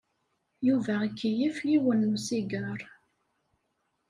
Yuba ikeyyef yiwen n usigaṛ.